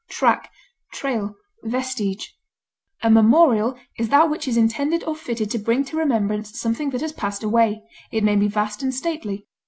footstep, memorial, sign, A memorial is that which is intended or fitted to bring to remembrance something that has passed away; it may be vast and stately.